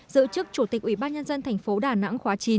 giữ chức chủ tịch ủy ban nhân dân thành phố đà nẵng khóa chín